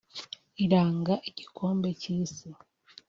iranga igikombe cy'isi